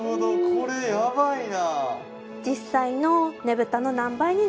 これやばいな。